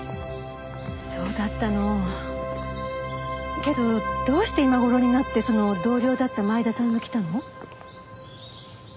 けどどうして今頃になってその同僚だった前田さんが来たの？